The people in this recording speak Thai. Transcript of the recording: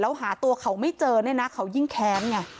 แล้วหาตัวเขาไม่เจอเนี่ยนะเขายิ่งแค้นไง